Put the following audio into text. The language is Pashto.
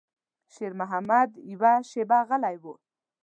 شېرمحمد يوه شېبه غلی و.